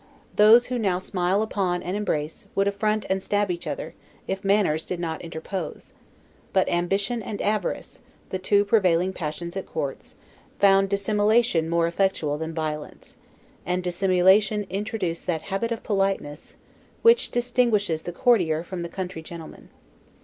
Those who now smile upon and embrace, would affront and stab each other, if manners did not interpose; but ambition and avarice, the two prevailing passions at courts, found dissimulation more effectual than violence; and dissimulation introduced that habit of politeness, which distinguishes the courtier from the country gentleman.